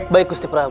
baik gusti pramu